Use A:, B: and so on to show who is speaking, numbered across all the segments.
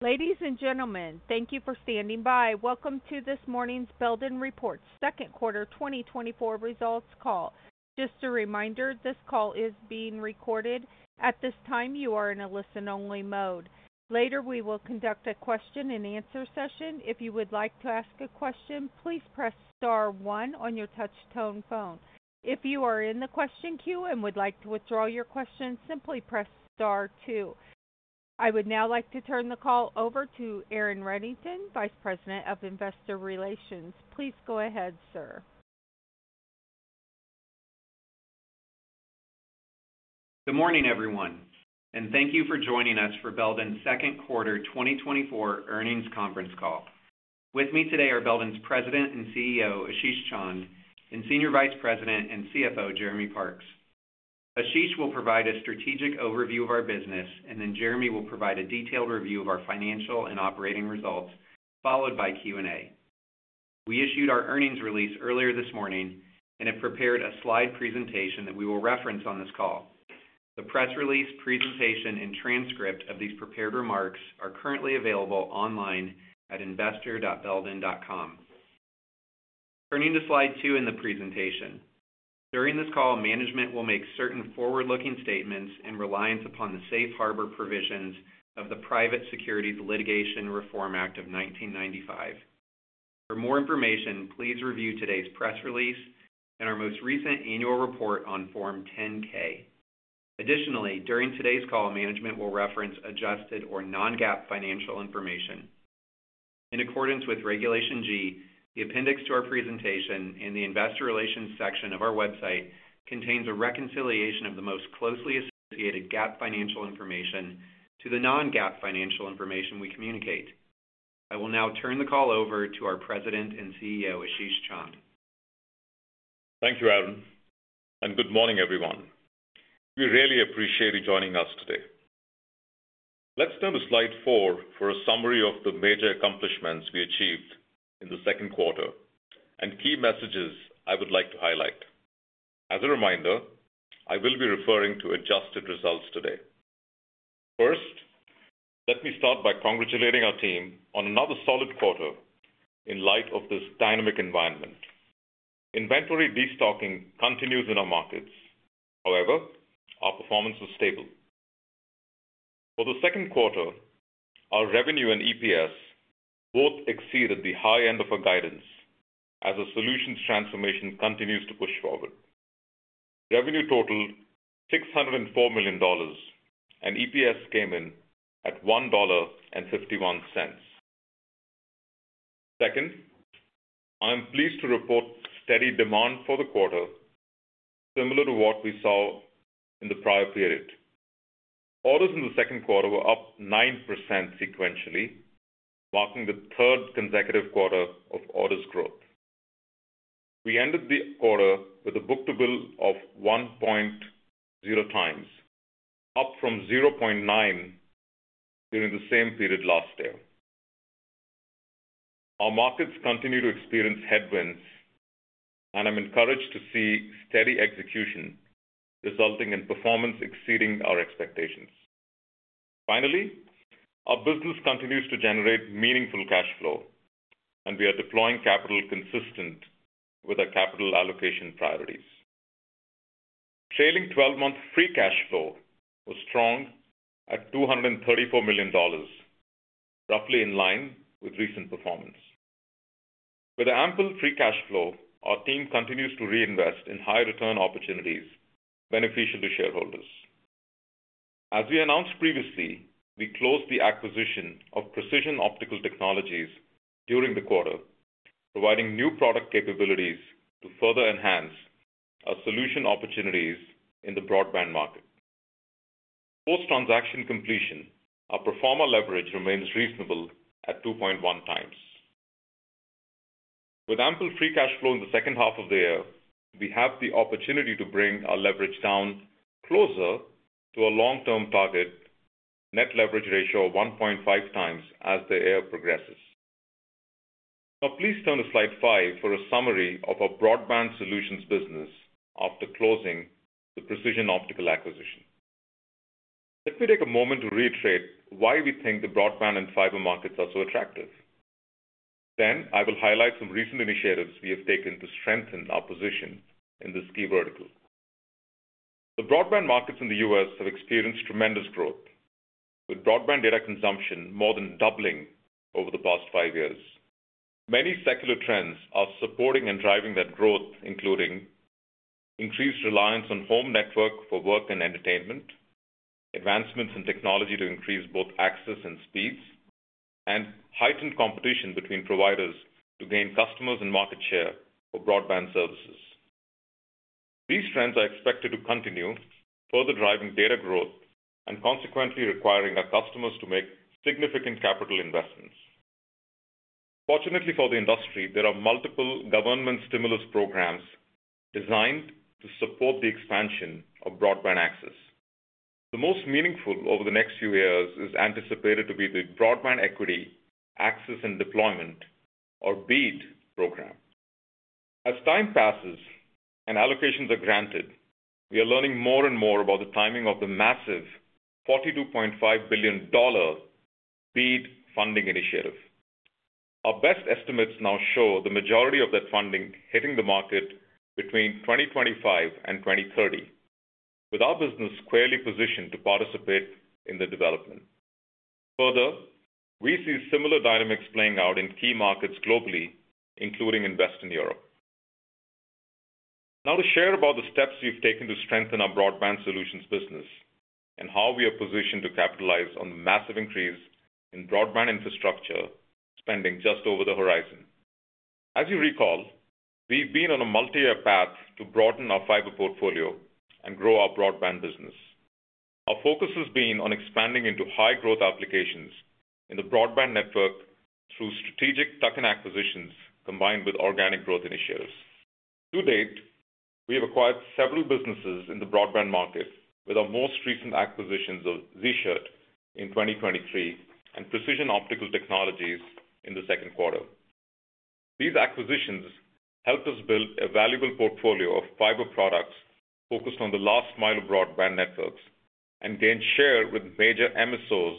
A: Ladies and gentlemen, thank you for standing by. Welcome to this morning's Belden reports second quarter 2024 results call. Just a reminder, this call is being recorded. At this time, you are in a listen-only mode. Later, we will conduct a question-and-answer session. If you would like to ask a question, please press star one on your touch-tone phone. If you are in the question queue and would like to withdraw your question, simply press star two. I would now like to turn the call over to Aaron Reddington, Vice President of Investor Relations. Please go ahead, sir.
B: Good morning, everyone, and thank you for joining us for Belden's second quarter 2024 earnings conference call. With me today are Belden's President and CEO, Ashish Chand, and Senior Vice President and CFO, Jeremy Parks. Ashish will provide a strategic overview of our business, and then Jeremy will provide a detailed review of our financial and operating results, followed by Q&A. We issued our earnings release earlier this morning, and it prepared a slide presentation that we will reference on this call. The press release, presentation, and transcript of these prepared remarks are currently available online at investor.belden.com. Turning to slide two in the presentation. During this call, management will make certain forward-looking statements in reliance upon the safe harbor provisions of the Private Securities Litigation Reform Act of 1995. For more information, please review today's press release and our most recent annual report on Form 10-K. Additionally, during today's call, management will reference adjusted or non-GAAP financial information. In accordance with Regulation G, the appendix to our presentation and the investor relations section of our website contains a reconciliation of the most closely associated GAAP financial information to the non-GAAP financial information we communicate. I will now turn the call over to our President and CEO, Ashish Chand.
C: Thank you, Aaron, and good morning, everyone. We really appreciate you joining us today. Let's turn to slide four for a summary of the major accomplishments we achieved in the second quarter and key messages I would like to highlight. As a reminder, I will be referring to adjusted results today. First, let me start by congratulating our team on another solid quarter in light of this dynamic environment. Inventory destocking continues in our markets. However, our performance is stable. For the second quarter, our revenue and EPS both exceeded the high end of our guidance as the solutions transformation continues to push forward. Revenue totaled $604 million, and EPS came in at $1.51. Second, I'm pleased to report steady demand for the quarter, similar to what we saw in the prior period. Orders in the second quarter were up 9% sequentially, marking the third consecutive quarter of orders growth. We ended the quarter with a book-to-bill of 1.0x, up from 0.9 during the same period last year. Our markets continue to experience headwinds, and I'm encouraged to see steady execution resulting in performance exceeding our expectations. Finally, our business continues to generate meaningful cash flow, and we are deploying capital consistent with our capital allocation priorities. Trailing 12-month free cash flow was strong at $234 million, roughly in line with recent performance. With ample free cash flow, our team continues to reinvest in high-return opportunities beneficial to shareholders. As we announced previously, we closed the acquisition of Precision Optical Technologies during the quarter, providing new product capabilities to further enhance our solution opportunities in the broadband market. Post-transaction completion, our pro forma leverage remains reasonable at 2.1x. With ample free cash flow in the second half of the year, we have the opportunity to bring our leverage down closer to a long-term target, net leverage ratio of 1.5x as the year progresses. Now, please turn to slide five for a summary of our broadband solutions business after closing the Precision Optical acquisition. Let me take a moment to reiterate why we think the broadband and fiber markets are so attractive. Then, I will highlight some recent initiatives we have taken to strengthen our position in this key vertical. The broadband markets in the U.S. have experienced tremendous growth, with broadband data consumption more than doubling over the past five years. Many secular trends are supporting and driving that growth, including increased reliance on home network for work and entertainment, advancements in technology to increase both access and speeds, and heightened competition between providers to gain customers and market share for broadband services. These trends are expected to continue, further driving data growth and consequently requiring our customers to make significant capital investments. Fortunately for the industry, there are multiple government stimulus programs designed to support the expansion of broadband access. The most meaningful over the next few years is anticipated to be the Broadband Equity Access and Deployment, or BEAD, program. As time passes and allocations are granted, we are learning more and more about the timing of the massive $42.5 billion BEAD funding initiative. Our best estimates now show the majority of that funding hitting the market between 2025 and 2030, with our business clearly positioned to participate in the development. Further, we see similar dynamics playing out in key markets globally, including in Western Europe. Now, to share about the steps we've taken to strengthen our broadband solutions business and how we are positioned to capitalize on the massive increase in broadband infrastructure spending just over the horizon. As you recall, we've been on a multi-year path to broaden our fiber portfolio and grow our broadband business. Our focus has been on expanding into high-growth applications in the broadband network through strategic token acquisitions combined with organic growth initiatives. To date, we have acquired several businesses in the broadband market, with our most recent acquisitions of Sichert in 2023 and Precision Optical Technologies in the second quarter. These acquisitions helped us build a valuable portfolio of fiber products focused on the last mile of broadband networks and gained share with major MSOs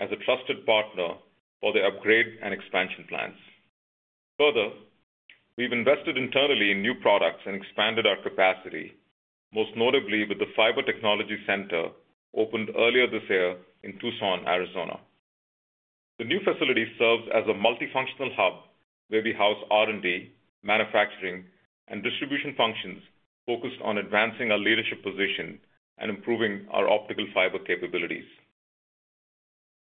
C: as a trusted partner for their upgrade and expansion plans. Further, we've invested internally in new products and expanded our capacity, most notably with the Fiber Technology Center opened earlier this year in Tucson, Arizona. The new facility serves as a multifunctional hub where we house R&D, manufacturing, and distribution functions focused on advancing our leadership position and improving our optical fiber capabilities.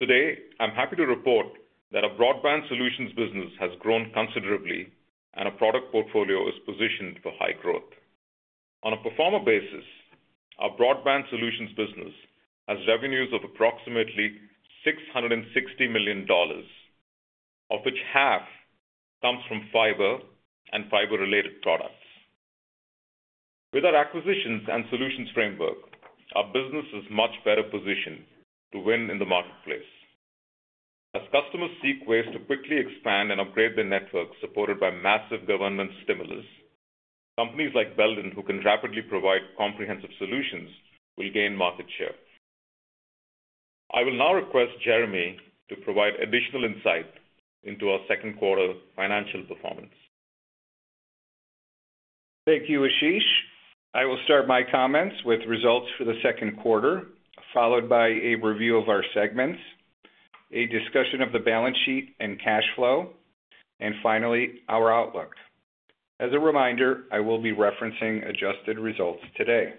C: Today, I'm happy to report that our broadband solutions business has grown considerably, and our product portfolio is positioned for high growth. On a pro forma basis, our broadband solutions business has revenues of approximately $660 million, of which half comes from fiber and fiber-related products. With our acquisitions and solutions framework, our business is much better positioned to win in the marketplace. As customers seek ways to quickly expand and upgrade their networks supported by massive government stimulus, companies like Belden, who can rapidly provide comprehensive solutions, will gain market share. I will now request Jeremy to provide additional insight into our second quarter financial performance.
D: Thank you, Ashish. I will start my comments with results for the second quarter, followed by a review of our segments, a discussion of the balance sheet and cash flow, and finally, our outlook. As a reminder, I will be referencing adjusted results today.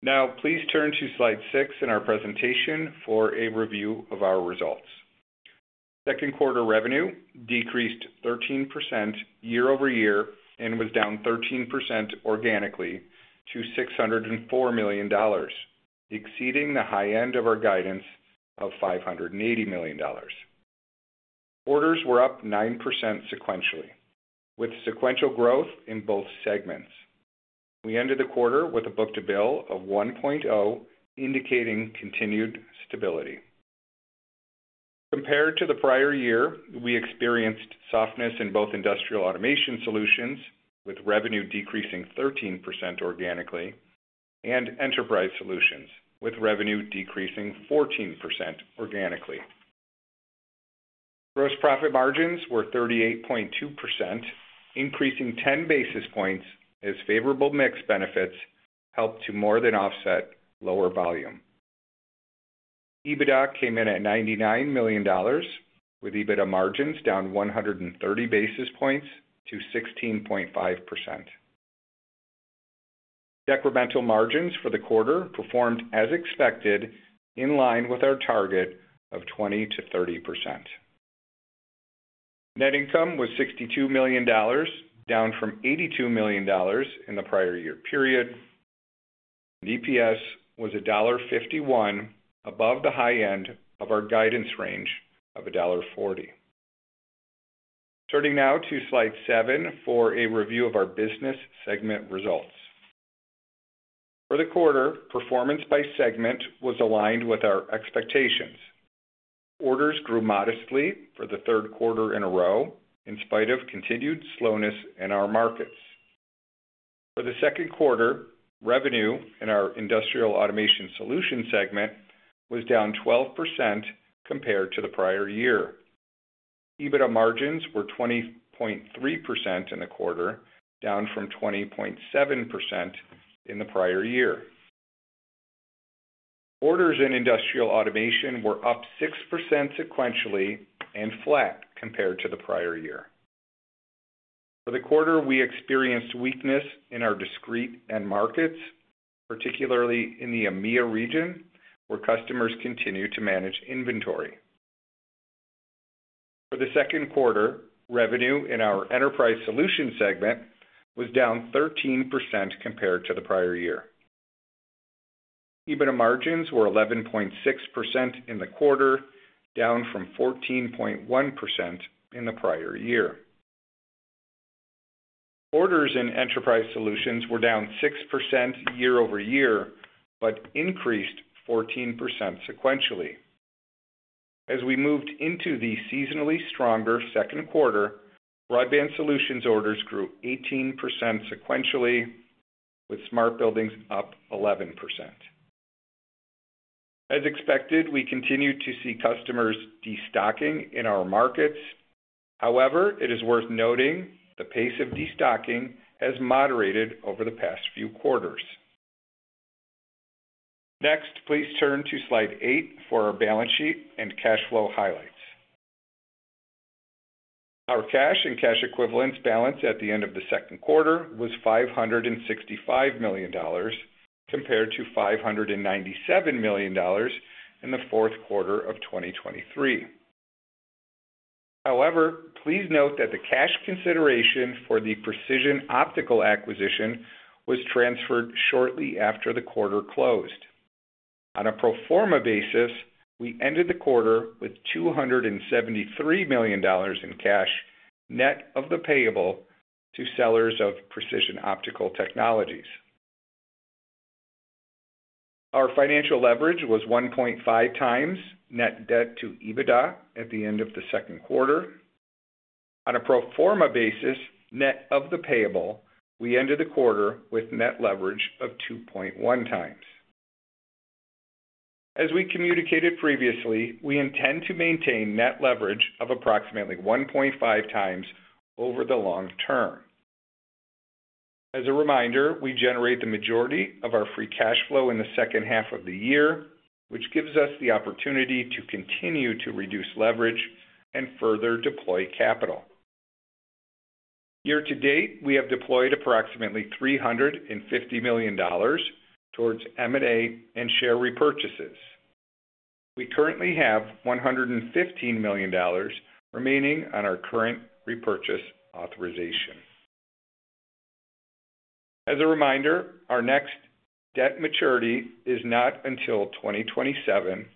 D: Now, please turn to slide six in our presentation for a review of our results. Second quarter revenue decreased 13% year-over-year and was down 13% organically to $604 million, exceeding the high end of our guidance of $580 million. Orders were up 9% sequentially, with sequential growth in both segments. We ended the quarter with a book-to-bill of 1.0, indicating continued stability. Compared to the prior year, we experienced softness in both industrial automation solutions, with revenue decreasing 13% organically, and enterprise solutions, with revenue decreasing 14% organically. Gross profit margins were 38.2%, increasing 10 basis points as favorable mix benefits helped to more than offset lower volume. EBITDA came in at $99 million, with EBITDA margins down 130 basis points to 16.5%. Decremental margins for the quarter performed as expected, in line with our target of 20%-30%. Net income was $62 million, down from $82 million in the prior year period. EPS was $1.51, above the high end of our guidance range of $1.40. Turning now to slide seven for a review of our business segment results. For the quarter, performance by segment was aligned with our expectations. Orders grew modestly for the third quarter in a row, in spite of continued slowness in our markets. For the second quarter, revenue in our industrial automation solution segment was down 12% compared to the prior year. EBITDA margins were 20.3% in the quarter, down from 20.7% in the prior year. Orders in industrial automation were up 6% sequentially and flat compared to the prior year. For the quarter, we experienced weakness in our discrete end markets, particularly in the EMEA region, where customers continue to manage inventory. For the second quarter, revenue in our enterprise solutions segment was down 13% compared to the prior year. EBITDA margins were 11.6% in the quarter, down from 14.1% in the prior year. Orders in enterprise solutions were down 6% year-over-year but increased 14% sequentially. As we moved into the seasonally stronger second quarter, broadband solutions orders grew 18% sequentially, with smart buildings up 11%. As expected, we continue to see customers destocking in our markets. However, it is worth noting the pace of destocking has moderated over the past few quarters. Next, please turn to slide eight for our balance sheet and cash flow highlights. Our cash and cash equivalents balance at the end of the second quarter was $565 million compared to $597 million in the fourth quarter of 2023. However, please note that the cash consideration for the Precision Optical acquisition was transferred shortly after the quarter closed. On a pro forma basis, we ended the quarter with $273 million in cash net of the payable to sellers of Precision Optical Technologies. Our financial leverage was 1.5 times net debt to EBITDA at the end of the second quarter. On a pro forma basis, net of the payable, we ended the quarter with net leverage of 2.1 times. As we communicated previously, we intend to maintain net leverage of approximately 1.5 times over the long term. As a reminder, we generate the majority of our free cash flow in the second half of the year, which gives us the opportunity to continue to reduce leverage and further deploy capital. Year to date, we have deployed approximately $350 million towards M&A and share repurchases. We currently have $115 million remaining on our current repurchase authorization. As a reminder, our next debt maturity is not until 2027,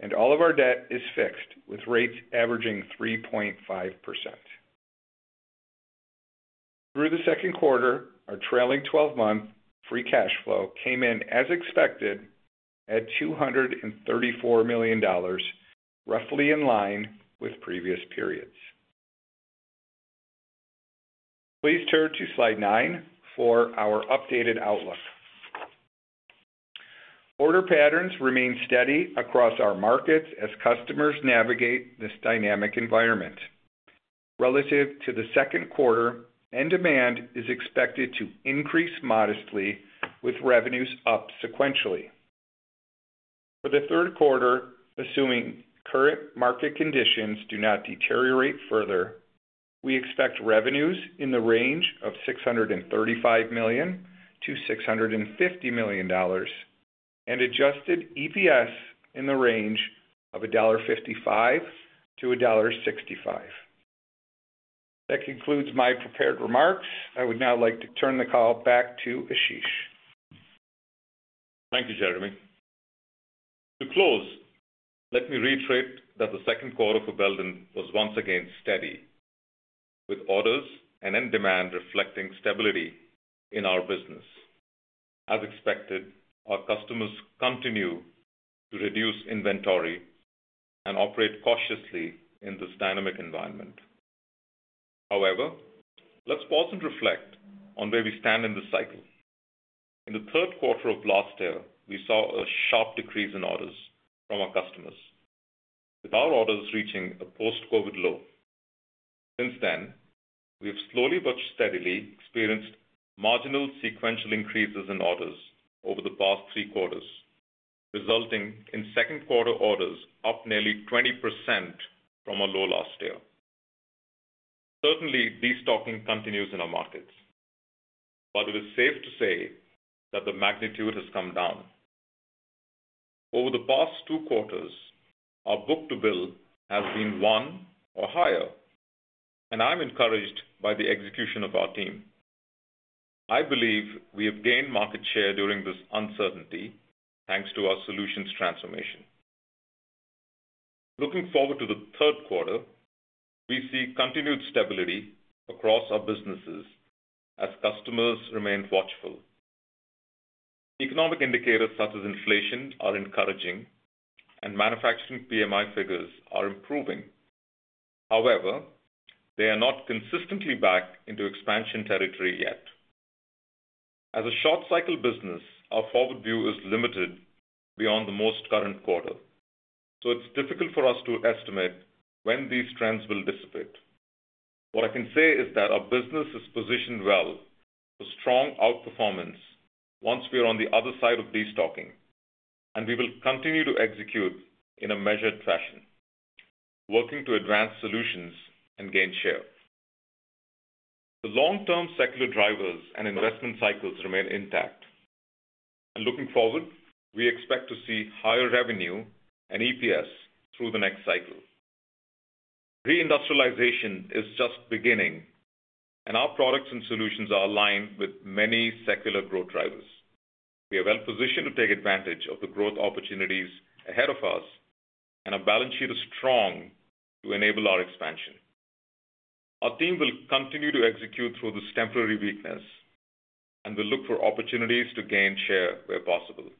D: and all of our debt is fixed with rates averaging 3.5%. Through the second quarter, our trailing 12-month free cash flow came in, as expected, at $234 million, roughly in line with previous periods. Please turn to slide nine for our updated outlook. Order patterns remain steady across our markets as customers navigate this dynamic environment. Relative to the second quarter, end demand is expected to increase modestly, with revenues up sequentially. For the third quarter, assuming current market conditions do not deteriorate further, we expect revenues in the range of $635 million-$650 million and adjusted EPS in the range of $1.55-$1.65. That concludes my prepared remarks. I would now like to turn the call back to Ashish.
C: Thank you, Jeremy. To close, let me reiterate that the second quarter for Belden was once again steady, with orders and end demand reflecting stability in our business. As expected, our customers continue to reduce inventory and operate cautiously in this dynamic environment. However, let's pause and reflect on where we stand in this cycle. In the third quarter of last year, we saw a sharp decrease in orders from our customers, with our orders reaching a post-COVID low. Since then, we have slowly but steadily experienced marginal sequential increases in orders over the past three quarters, resulting in second quarter orders up nearly 20% from our low last year. Certainly, destocking continues in our markets, but it is safe to say that the magnitude has come down. Over the past two quarters, our book-to-bill has been one or higher, and I'm encouraged by the execution of our team. I believe we have gained market share during this uncertainty thanks to our solutions transformation. Looking forward to the third quarter, we see continued stability across our businesses as customers remain watchful. Economic indicators such as inflation are encouraging, and manufacturing PMI figures are improving. However, they are not consistently back into expansion territory yet. As a short-cycle business, our forward view is limited beyond the most current quarter, so it's difficult for us to estimate when these trends will dissipate. What I can say is that our business is positioned well for strong outperformance once we are on the other side of destocking, and we will continue to execute in a measured fashion, working to advance solutions and gain share. The long-term secular drivers and investment cycles remain intact. Looking forward, we expect to see higher revenue and EPS through the next cycle. Reindustrialization is just beginning, and our products and solutions are aligned with many secular growth drivers. We are well positioned to take advantage of the growth opportunities ahead of us, and our balance sheet is strong to enable our expansion. Our team will continue to execute through this temporary weakness and will look for opportunities to gain share where possible.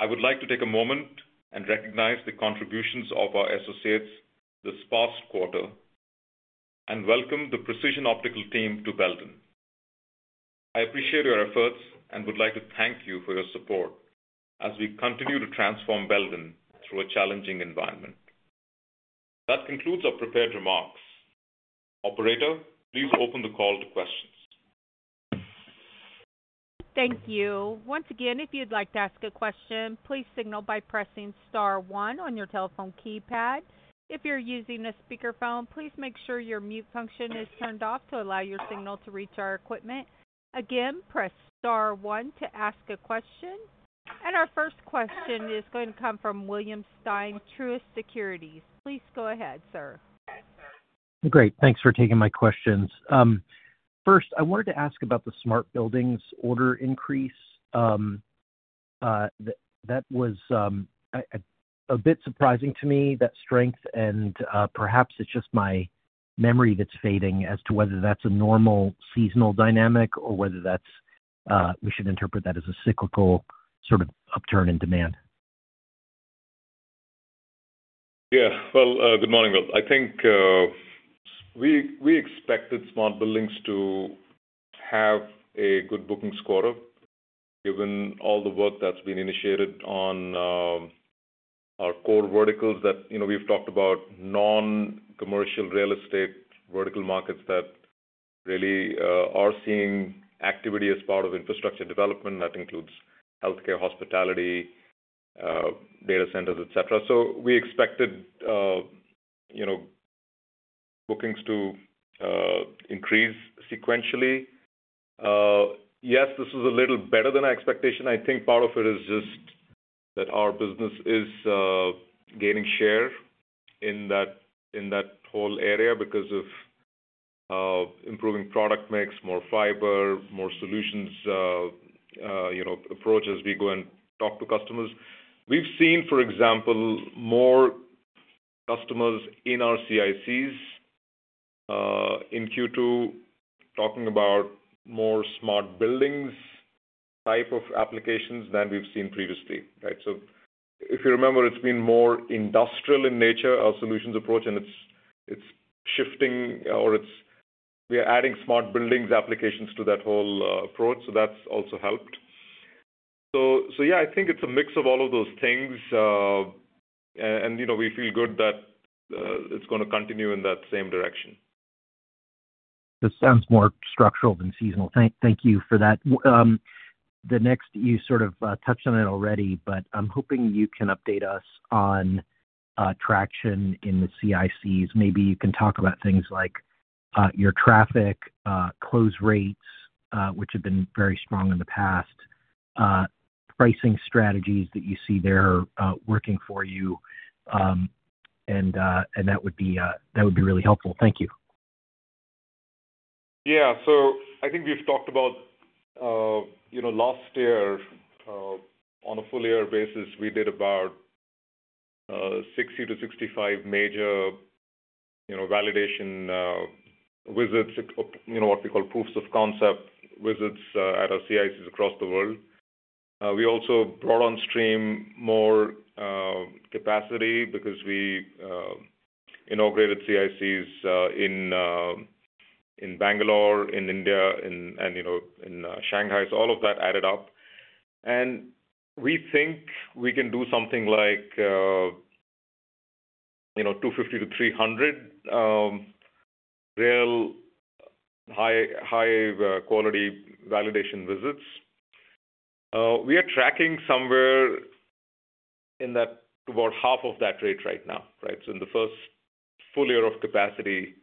C: I would like to take a moment and recognize the contributions of our associates this past quarter and welcome the Precision Optical team to Belden. I appreciate your efforts and would like to thank you for your support as we continue to transform Belden through a challenging environment. That concludes our prepared remarks. Operator, please open the call to questions.
A: Thank you. Once again, if you'd like to ask a question, please signal by pressing star one on your telephone keypad. If you're using a speakerphone, please make sure your mute function is turned off to allow your signal to reach our equipment. Again, press star one to ask a question. Our first question is going to come from William Stein, Truist Securities. Please go ahead, sir.
E: Great. Thanks for taking my questions. First, I wanted to ask about the smart buildings order increase. That was a bit surprising to me, that strength, and perhaps it's just my memory that's fading as to whether that's a normal seasonal dynamic or whether we should interpret that as a cyclical sort of upturn in demand.
C: Yeah. Well, good morning, Bill. I think we expected smart buildings to have a good booking score given all the work that's been initiated on our core verticals that we've talked about: non-commercial real estate vertical markets that really are seeing activity as part of infrastructure development. That includes healthcare, hospitality, data centers, etc. So we expected bookings to increase sequentially. Yes, this was a little better than our expectation. I think part of it is just that our business is gaining share in that whole area because of improving product mix, more fiber, more solutions approach as we go and talk to customers. We've seen, for example, more customers in our CICs in Q2 talking about more smart buildings type of applications than we've seen previously, right? So if you remember, it's been more industrial in nature, our solutions approach, and it's shifting, or we are adding smart buildings applications to that whole approach, so that's also helped. So yeah, I think it's a mix of all of those things, and we feel good that it's going to continue in that same direction.
E: This sounds more structural than seasonal. Thank you for that. The next, you sort of touched on it already, but I'm hoping you can update us on traction in the CICs. Maybe you can talk about things like your traffic, close rates, which have been very strong in the past, pricing strategies that you see there working for you, and that would be really helpful. Thank you.
C: Yeah. So I think we've talked about last year, on a full-year basis, we did about 60-65 major validation visits, what we call proofs of concept visits at our CICs across the world. We also brought on stream more capacity because we inaugurated CICs in Bangalore, in India, and in Shanghai. So all of that added up. And we think we can do something like 250-300 real high-quality validation visits. We are tracking somewhere in that toward half of that rate right now, right? So in the first full year of capacity,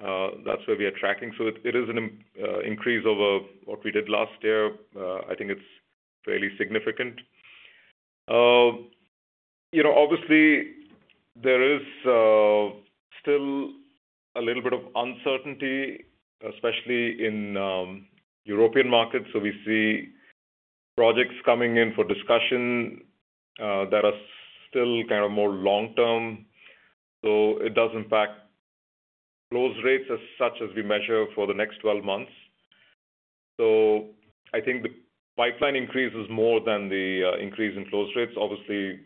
C: that's where we are tracking. So it is an increase over what we did last year. I think it's fairly significant. Obviously, there is still a little bit of uncertainty, especially in European markets. So we see projects coming in for discussion that are still kind of more long-term. So it does impact close rates as such as we measure for the next 12 months. So I think the pipeline increase is more than the increase in close rates. Obviously,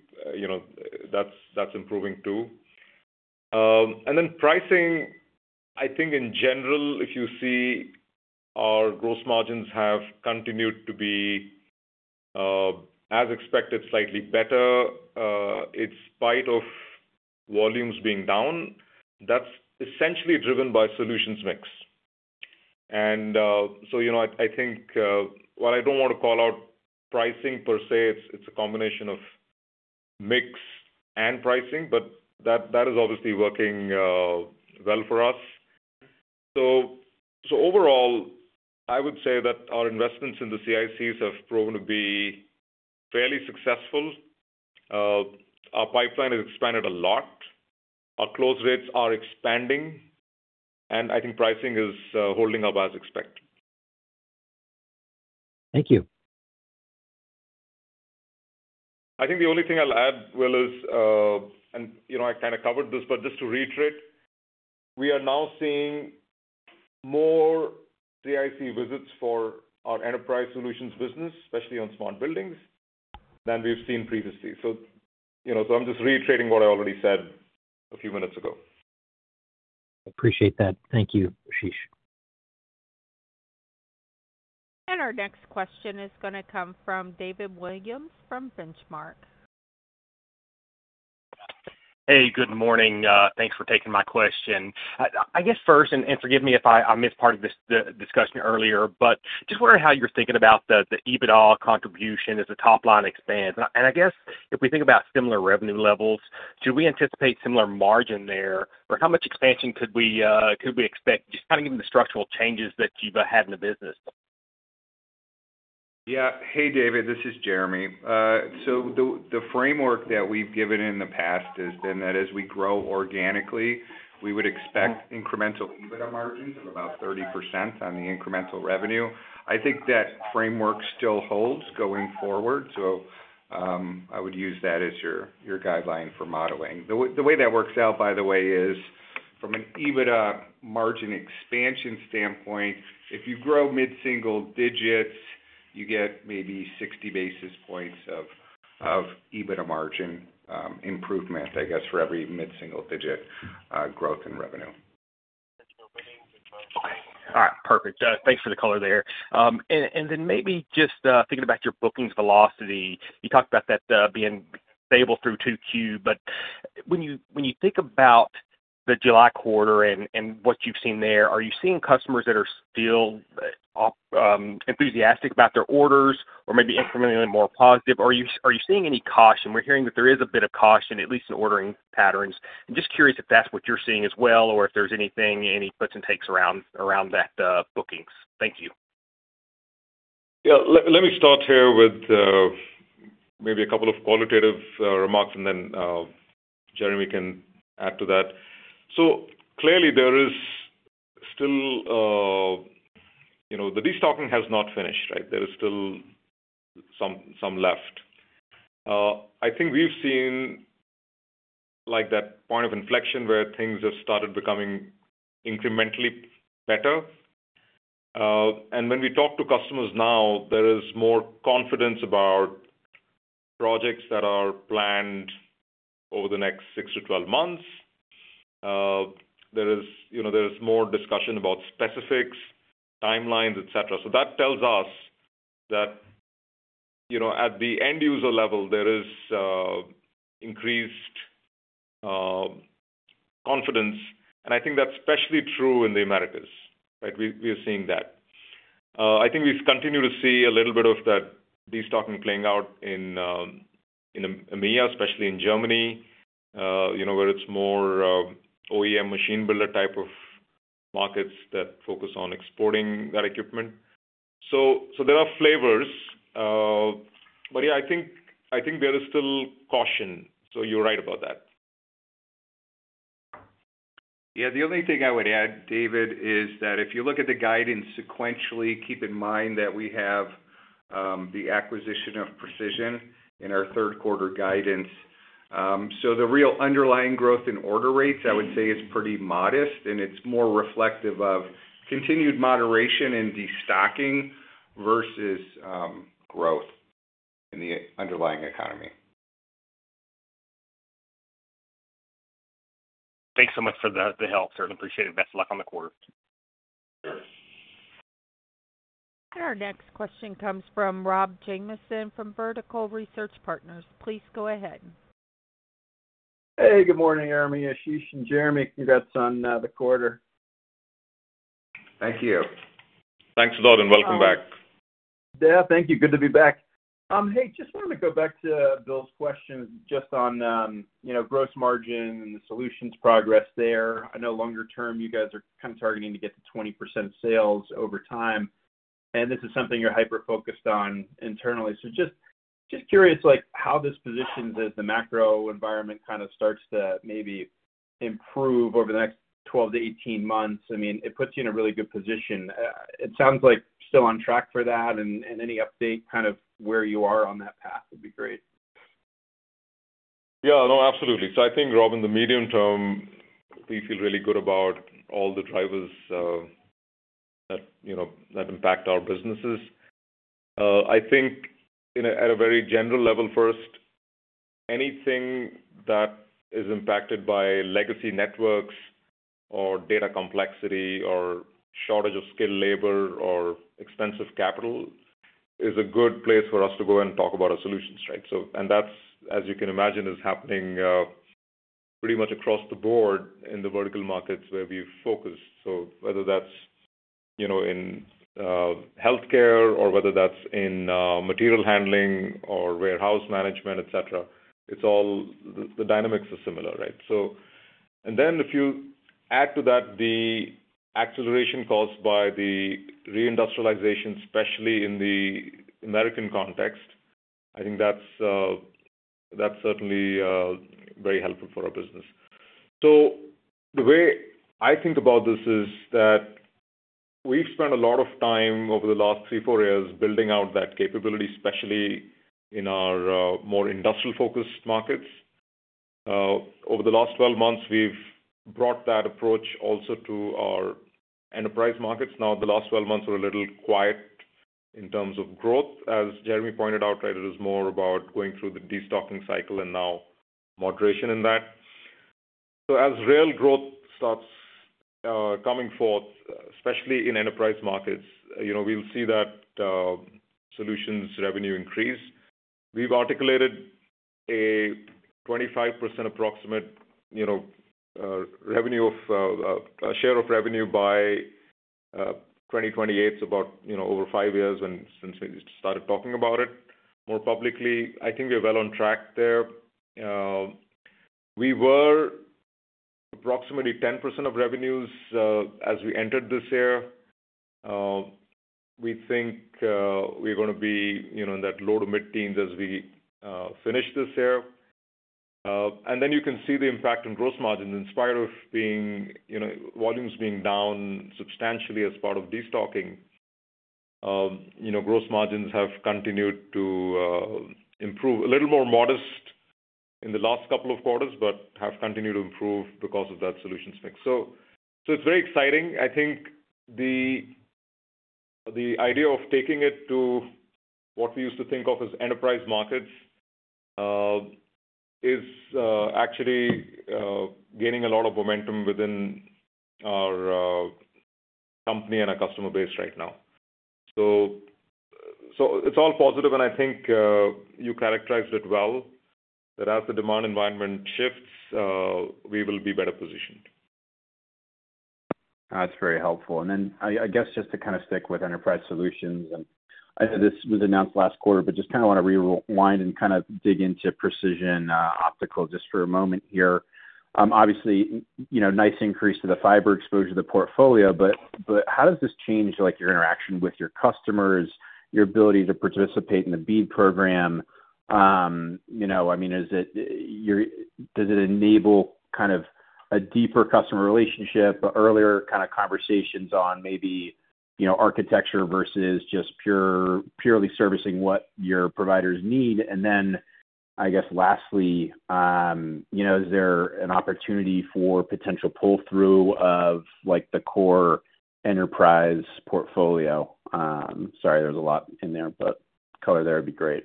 C: that's improving too. And then pricing, I think in general, if you see our gross margins have continued to be, as expected, slightly better in spite of volumes being down. That's essentially driven by solutions mix. And so I think, well, I don't want to call out pricing per se. It's a combination of mix and pricing, but that is obviously working well for us. So overall, I would say that our investments in the CICs have proven to be fairly successful. Our pipeline has expanded a lot. Our close rates are expanding, and I think pricing is holding up as expected.
E: Thank you.
C: I think the only thing I'll add, Will, is, and I kind of covered this, but just to reiterate, we are now seeing more CIC visits for our enterprise solutions business, especially on smart buildings, than we've seen previously. So I'm just reiterating what I already said a few minutes ago.
E: I appreciate that. Thank you, Ashish.
A: Our next question is going to come from David Williams from Benchmark.
F: Hey, good morning. Thanks for taking my question. I guess first, and forgive me if I missed part of this discussion earlier, but just wondering how you're thinking about the EBITDA contribution as the top line expands. I guess if we think about similar revenue levels, should we anticipate similar margin there, or how much expansion could we expect, just kind of given the structural changes that you've had in the business?
D: Yeah. Hey, David, this is Jeremy. So the framework that we've given in the past has been that as we grow organically, we would expect incremental EBITDA margins of about 30% on the incremental revenue. I think that framework still holds going forward, so I would use that as your guideline for modeling. The way that works out, by the way, is from an EBITDA margin expansion standpoint, if you grow mid-single digits, you get maybe 60 basis points of EBITDA margin improvement, I guess, for every mid-single digit growth in revenue.
F: All right. Perfect. Thanks for the color there. And then maybe just thinking about your bookings velocity, you talked about that being stable through Q2, but when you think about the July quarter and what you've seen there, are you seeing customers that are still enthusiastic about their orders or maybe incrementally more positive, or are you seeing any caution? We're hearing that there is a bit of caution, at least in ordering patterns. I'm just curious if that's what you're seeing as well, or if there's anything, any puts and takes around that bookings. Thank you.
C: Yeah. Let me start here with maybe a couple of qualitative remarks, and then Jeremy can add to that. So clearly, there is still the destocking has not finished, right? There is still some left. I think we've seen that point of inflection where things have started becoming incrementally better. And when we talk to customers now, there is more confidence about projects that are planned over the next 6 to 12 months. There is more discussion about specifics, timelines, etc. So that tells us that at the end-user level, there is increased confidence. And I think that's especially true in the Americas, right? We are seeing that. I think we continue to see a little bit of that destocking playing out in EMEA, especially in Germany, where it's more OEM machine builder type of markets that focus on exporting that equipment. So there are flavors, but yeah, I think there is still caution. So you're right about that.
D: Yeah. The only thing I would add, David, is that if you look at the guidance sequentially, keep in mind that we have the acquisition of Precision in our third-quarter guidance. So the real underlying growth in order rates, I would say, is pretty modest, and it's more reflective of continued moderation in destocking versus growth in the underlying economy.
F: Thanks so much for the help, sir. I appreciate it. Best of luck on the quarter.
C: Sure.
A: Our next question comes from Rob Jamieson from Vertical Research Partners. Please go ahead.
G: Hey, good morning, Jeremy. Ashish, and Jeremy. Congrats on the quarter.
C: Thank you.
D: Thanks a lot, and welcome back.
G: Yeah. Thank you. Good to be back. Hey, just wanted to go back to Bill's question just on gross margin and the solutions progress there. I know longer-term, you guys are kind of targeting to get to 20% sales over time, and this is something you're hyper-focused on internally. So just curious how this positions, as the macro environment kind of starts to maybe improve over the next 12-18 months. I mean, it puts you in a really good position. It sounds like still on track for that, and any update kind of where you are on that path would be great.
C: Yeah. No, absolutely. So I think, Rob, the medium term, we feel really good about all the drivers that impact our businesses. I think at a very general level, first, anything that is impacted by legacy networks or data complexity or shortage of skilled labor or expensive capital is a good place for us to go and talk about our solutions, right? And that, as you can imagine, is happening pretty much across the board in the vertical markets where we focus. So whether that's in healthcare or whether that's in material handling or warehouse management, etc., the dynamics are similar, right? And then if you add to that the acceleration caused by the reindustrialization, especially in the American context, I think that's certainly very helpful for our business. So the way I think about this is that we've spent a lot of time over the last 3-4 years building out that capability, especially in our more industrial-focused markets. Over the last 12 months, we've brought that approach also to our enterprise markets. Now, the last 12 months were a little quiet in terms of growth. As Jeremy pointed out, right, it was more about going through the destocking cycle and now moderation in that. So as real growth starts coming forth, especially in enterprise markets, we'll see that solutions revenue increase. We've articulated a 25% approximate share of revenue by 2028, so about over 5 years since we started talking about it more publicly. I think we're well on track there. We were approximately 10% of revenues as we entered this year. We think we're going to be in that low to mid-teens as we finish this year. Then you can see the impact on gross margins. In spite of volumes being down substantially as part of destocking, gross margins have continued to improve. A little more modest in the last couple of quarters, but have continued to improve because of that solutions mix. It's very exciting. I think the idea of taking it to what we used to think of as enterprise markets is actually gaining a lot of momentum within our company and our customer base right now. It's all positive, and I think you characterized it well, that as the demand environment shifts, we will be better positioned.
H: That's very helpful. And then I guess just to kind of stick with enterprise solutions, and I know this was announced last quarter, but just kind of want to rewind and kind of dig into Precision Optical just for a moment here. Obviously, nice increase to the fiber exposure to the portfolio, but how does this change your interaction with your customers, your ability to participate in the BEAD program? I mean, does it enable kind of a deeper customer relationship, earlier kind of conversations on maybe architecture versus just purely servicing what your providers need? And then I guess lastly, is there an opportunity for potential pull-through of the core enterprise portfolio? Sorry, there's a lot in there, but color there would be great.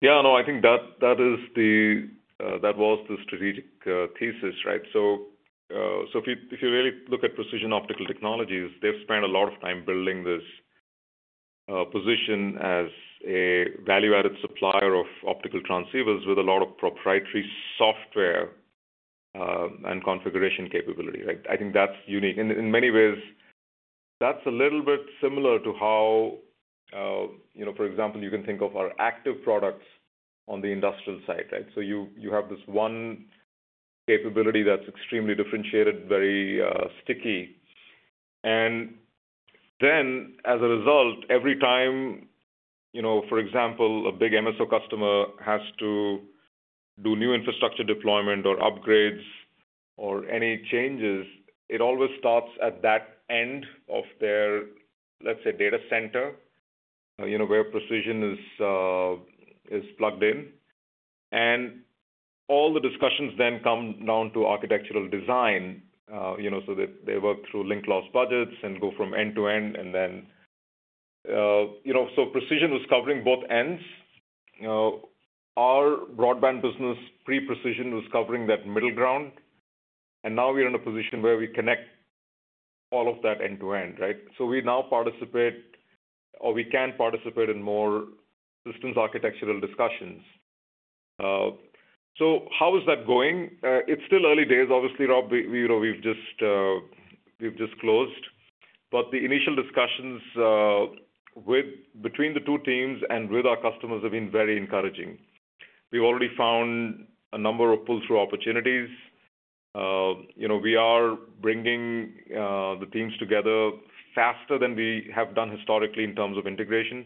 C: Yeah. No, I think that was the strategic thesis, right? So if you really look at Precision Optical Technologies, they've spent a lot of time building this position as a value-added supplier of optical transceivers with a lot of proprietary software and configuration capability, right? I think that's unique. And in many ways, that's a little bit similar to how, for example, you can think of our active products on the industrial side, right? So you have this one capability that's extremely differentiated, very sticky. And then as a result, every time, for example, a big MSO customer has to do new infrastructure deployment or upgrades or any changes, it always starts at that end of their, let's say, data center where Precision is plugged in. And all the discussions then come down to architectural design so that they work through link loss budgets and go from end to end. Precision was covering both ends. Our broadband business pre-Precision was covering that middle ground, and now we're in a position where we connect all of that end to end, right? So we now participate, or we can participate in more systems architectural discussions. So how is that going? It's still early days. Obviously, Rob, we've just closed, but the initial discussions between the two teams and with our customers have been very encouraging. We've already found a number of pull-through opportunities. We are bringing the teams together faster than we have done historically in terms of integration.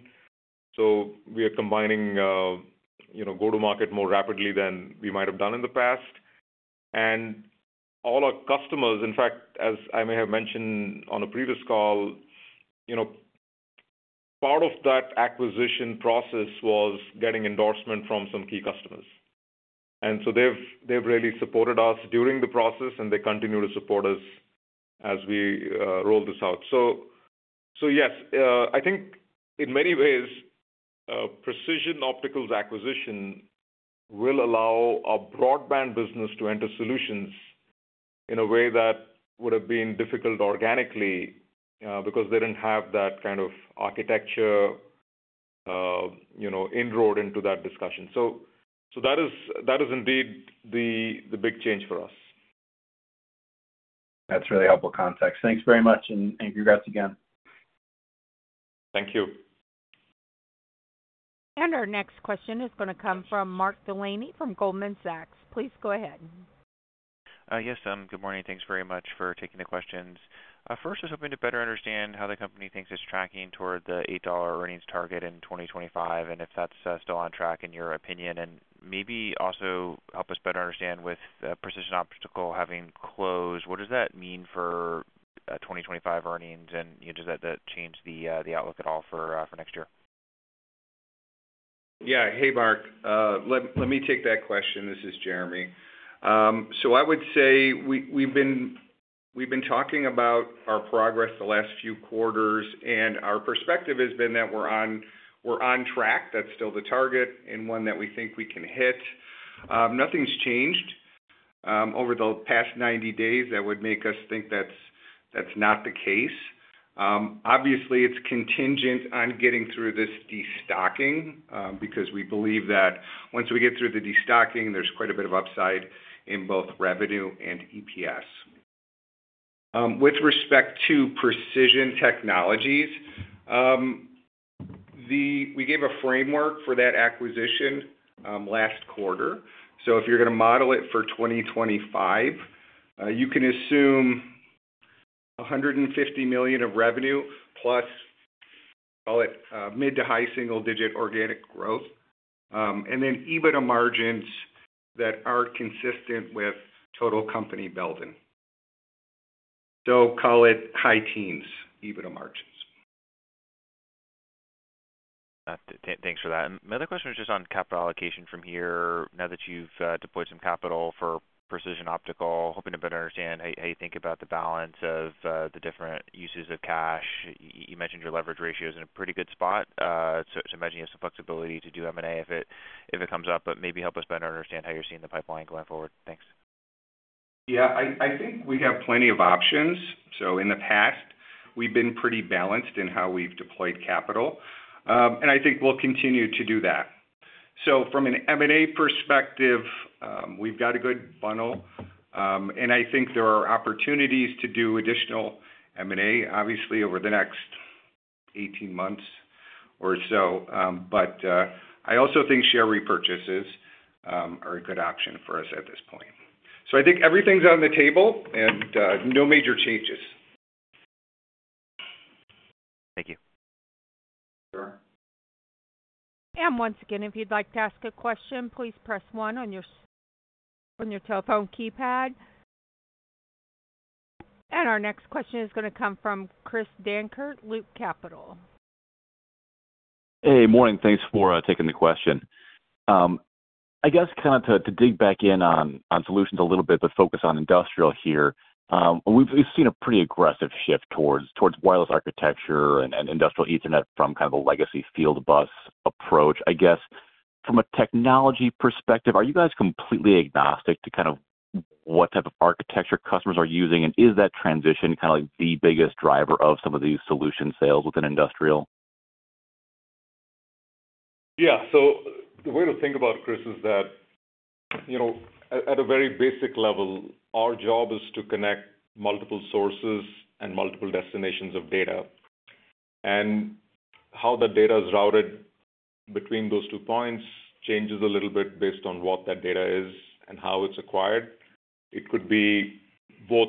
C: So we are combining go-to-market more rapidly than we might have done in the past. And all our customers, in fact, as I may have mentioned on a previous call, part of that acquisition process was getting endorsement from some key customers. And so they've really supported us during the process, and they continue to support us as we roll this out. So yes, I think in many ways, Precision Optical Technologies' acquisition will allow our broadband business to enter solutions in a way that would have been difficult organically because they didn't have that kind of architecture inroad into that discussion. So that is indeed the big change for us.
E: That's really helpful context. Thanks very much, and congrats again.
C: Thank you.
A: Our next question is going to come from Mark Delaney from Goldman Sachs. Please go ahead.
I: Yes, good morning. Thanks very much for taking the questions. First, I was hoping to better understand how the company thinks it's tracking toward the $8 earnings target in 2025, and if that's still on track in your opinion, and maybe also help us better understand with Precision Optical having closed. What does that mean for 2025 earnings, and does that change the outlook at all for next year?
C: Yeah. Hey, Mark. Let me take that question. This is Jeremy. So I would say we've been talking about our progress the last few quarters, and our perspective has been that we're on track. That's still the target and one that we think we can hit. Nothing's changed over the past 90 days that would make us think that's not the case. Obviously, it's contingent on getting through this destocking because we believe that once we get through the destocking, there's quite a bit of upside in both revenue and EPS. With respect to Precision Optical Technologies, we gave a framework for that acquisition last quarter. So if you're going to model it for 2025, you can assume $150 million of revenue plus mid- to high-single-digit organic growth, and then EBITDA margins that are consistent with total company building. So call it high teens, EBITDA margins.
I: Thanks for that. My other question was just on capital allocation from here. Now that you've deployed some capital for Precision Optical, hoping to better understand how you think about the balance of the different uses of cash. You mentioned your leverage ratio is in a pretty good spot. So I imagine you have some flexibility to do M&A if it comes up, but maybe help us better understand how you're seeing the pipeline going forward. Thanks.
C: Yeah. I think we have plenty of options. So in the past, we've been pretty balanced in how we've deployed capital, and I think we'll continue to do that. So from an M&A perspective, we've got a good funnel, and I think there are opportunities to do additional M&A, obviously, over the next 18 months or so. But I also think share repurchases are a good option for us at this point. So I think everything's on the table and no major changes.
I: Thank you.
C: Sure.
A: Once again, if you'd like to ask a question, please press one on your telephone keypad. Our next question is going to come from Chris Dankert, Loop Capital.
J: Hey, morning. Thanks for taking the question. I guess kind of to dig back in on solutions a little bit, but focus on industrial here. We've seen a pretty aggressive shift towards wireless architecture and industrial Ethernet from kind of a legacy field bus approach. I guess from a technology perspective, are you guys completely agnostic to kind of what type of architecture customers are using, and is that transition kind of the biggest driver of some of these solution sales within industrial?
C: Yeah. So the way to think about, Chris, is that at a very basic level, our job is to connect multiple sources and multiple destinations of data. And how the data is routed between those two points changes a little bit based on what that data is and how it's acquired. It could be both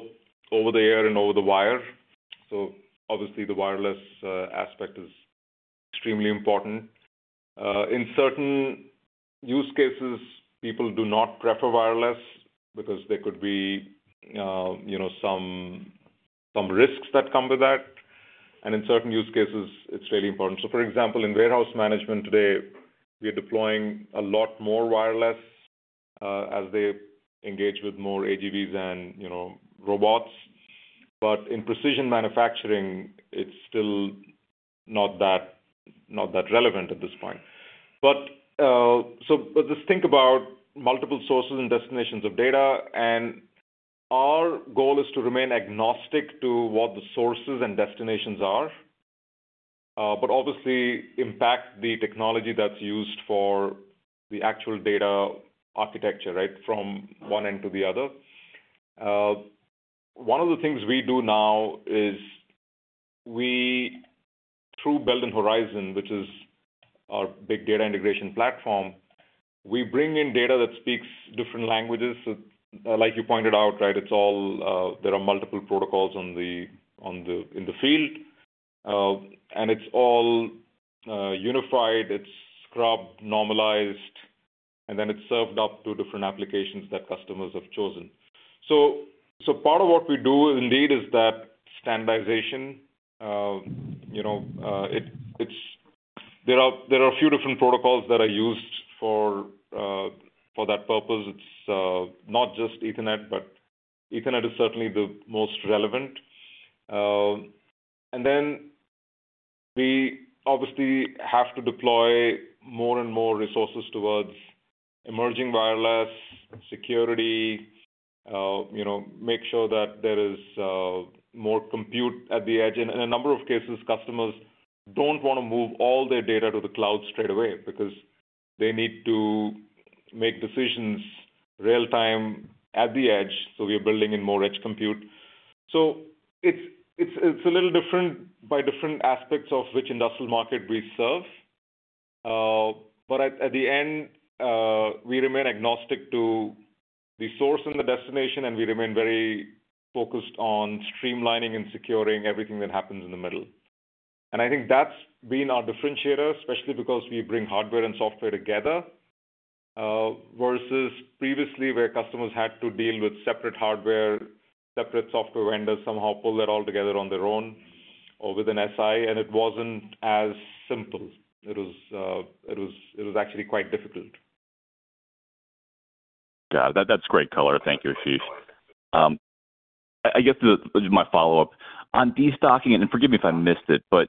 C: over the air and over the wire. So obviously, the wireless aspect is extremely important. In certain use cases, people do not prefer wireless because there could be some risks that come with that. And in certain use cases, it's really important. So for example, in warehouse management today, we are deploying a lot more wireless as they engage with more AGVs and robots. But in precision manufacturing, it's still not that relevant at this point. So just think about multiple sources and destinations of data, and our goal is to remain agnostic to what the sources and destinations are, but obviously impact the technology that's used for the actual data architecture, right, from one end to the other. One of the things we do now is through Belden Horizon, which is our big data integration platform, we bring in data that speaks different languages. So like you pointed out, right, there are multiple protocols in the field, and it's all unified. It's scrubbed, normalized, and then it's served up to different applications that customers have chosen. So part of what we do indeed is that standardization. There are a few different protocols that are used for that purpose. It's not just Ethernet, but Ethernet is certainly the most relevant. And then we obviously have to deploy more and more resources towards emerging wireless, security, make sure that there is more compute at the edge. In a number of cases, customers don't want to move all their data to the cloud straight away because they need to make decisions real-time at the edge. So we are building in more edge compute. It's a little different by different aspects of which industrial market we serve. But at the end, we remain agnostic to the source and the destination, and we remain very focused on streamlining and securing everything that happens in the middle. I think that's been our differentiator, especially because we bring hardware and software together versus previously where customers had to deal with separate hardware, separate software vendors, somehow pull that all together on their own or with an SI, and it wasn't as simple. It was actually quite difficult.
J: Got it. That's great color. Thank you, Ashish. I guess my follow-up on destocking, and forgive me if I missed it, but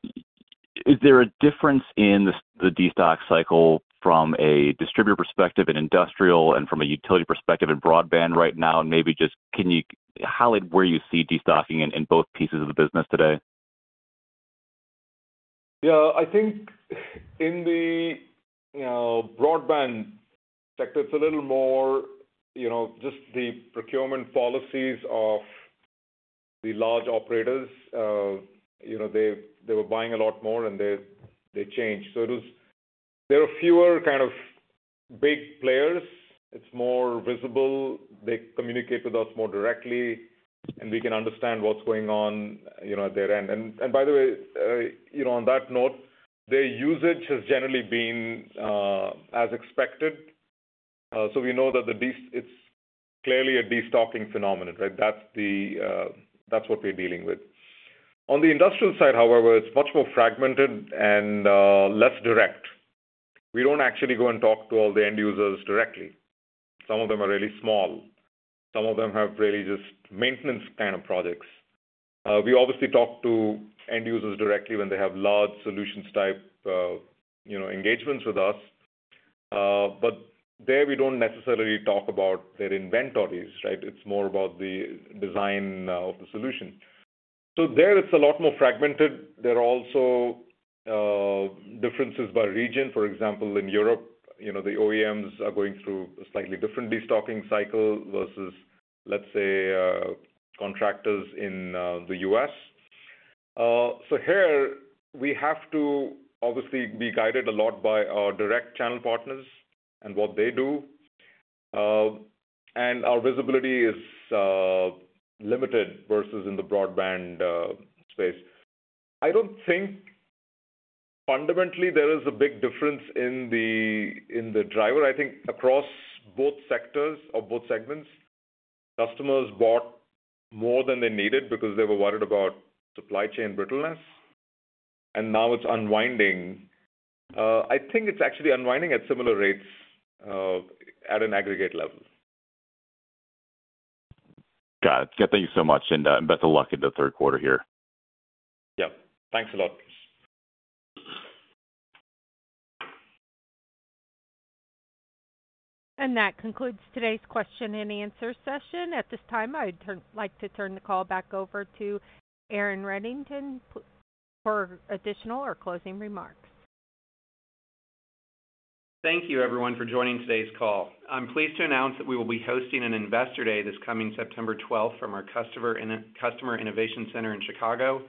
J: is there a difference in the destock cycle from a distributor perspective in industrial and from a utility perspective in broadband right now? And maybe just can you highlight where you see destocking in both pieces of the business today?
C: Yeah. I think in the broadband sector, it's a little more just the procurement policies of the large operators. They were buying a lot more, and they changed. So there are fewer kind of big players. It's more visible. They communicate with us more directly, and we can understand what's going on at their end. And by the way, on that note, their usage has generally been as expected. So we know that it's clearly a destocking phenomenon, right? That's what we're dealing with. On the industrial side, however, it's much more fragmented and less direct. We don't actually go and talk to all the end users directly. Some of them are really small. Some of them have really just maintenance kind of projects. We obviously talk to end users directly when they have large solutions type engagements with us. But there, we don't necessarily talk about their inventories, right? It's more about the design of the solution. So there, it's a lot more fragmented. There are also differences by region. For example, in Europe, the OEMs are going through a slightly different destocking cycle versus, let's say, contractors in the U.S. So here, we have to obviously be guided a lot by our direct channel partners and what they do. And our visibility is limited versus in the broadband space. I don't think fundamentally there is a big difference in the driver. I think across both sectors or both segments, customers bought more than they needed because they were worried about supply chain brittleness. And now it's unwinding. I think it's actually unwinding at similar rates at an aggregate level.
J: Got it. Yeah. Thank you so much, and best of luck in the third quarter here.
C: Yeah. Thanks a lot.
A: That concludes today's question-and-answer session. At this time, I'd like to turn the call back over to Aaron Reddington for additional or closing remarks.
B: Thank you, everyone, for joining today's call. I'm pleased to announce that we will be hosting an Investor Day this coming September 12th from our Customer Innovation Center in Chicago.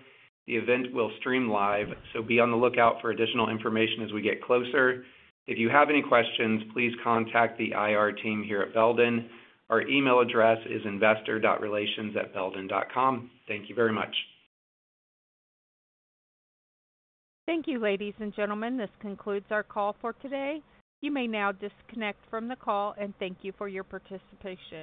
B: The event will stream live, so be on the lookout for additional information as we get closer. If you have any questions, please contact the IR team here at Belden. Our email address is investor.relations@belden.com. Thank you very much.
A: Thank you, ladies and gentlemen. This concludes our call for today. You may now disconnect from the call, and thank you for your participation.